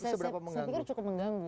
saya pikir cukup mengganggu